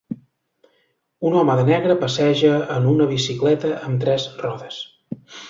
Un home de negre passeja en una bicicleta amb tres rodes.